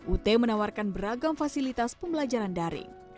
ut menawarkan beragam fasilitas pembelajaran daring